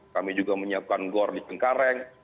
kami juga menyiapkan gor di cengkareng